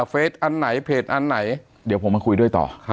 เฟสอันไหนเพจอันไหนเดี๋ยวผมมาคุยด้วยต่อ